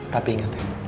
tapi inget ya